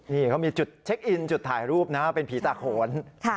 นี่เขามีจุดเช็คอินจุดถ่ายรูปนะเป็นผีตาโขน